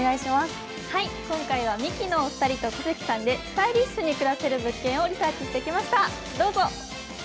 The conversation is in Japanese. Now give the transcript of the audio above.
今回はミキのお二人と小関さんで、スタイリッシュに暮らせる物件をリサーチしてきました、どうぞ。